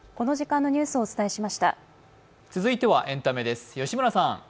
続いてはエンタメです。